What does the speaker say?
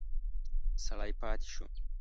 سړی پاتې شو.